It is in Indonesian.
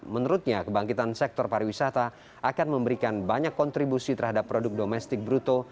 menurutnya kebangkitan sektor pariwisata akan memberikan banyak kontribusi terhadap produk domestik bruto